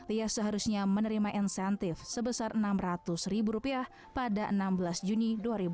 ia seharusnya menerima insentif sebesar rp enam ratus ribu rupiah pada enam belas juni dua ribu dua puluh